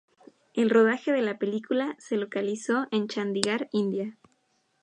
El rodaje de la película se localizó en Chandigarh, India.